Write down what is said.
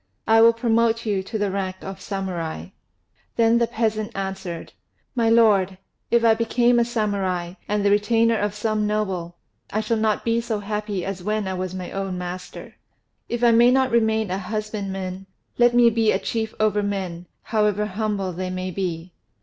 I will promote you to the rank of Samurai." Then the peasant answered, "My lord, if I become a Samurai, and the retainer of some noble, I shall not be so happy as when I was my own master. If I may not remain a husbandman, let me be a chief over men, however humble they may be."